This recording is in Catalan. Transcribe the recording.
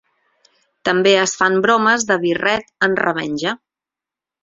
També es fan bromes de birret en revenja.